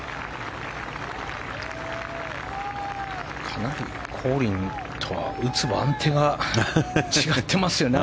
かなりコリンとは打つ番手が違ってますね。